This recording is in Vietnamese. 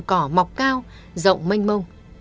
mỏ mọc cao rộng mênh mông